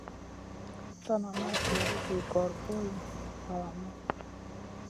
Sana ma dur zi bogorayna valamu.